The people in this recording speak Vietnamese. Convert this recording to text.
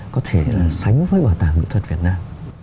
có thể là sánh với bảo tàng mỹ thuật việt nam